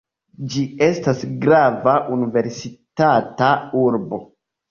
Ĝi estas grava universitata urbo.